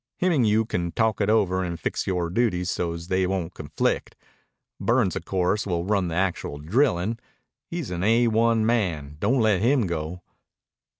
Him and you can talk it over and fix yore duties so's they won't conflict. Burns, of course, will run the actual drillin'. He's an A1 man. Don't let him go."